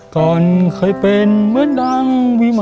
ก่อนเคยเป็นเหมือนดัง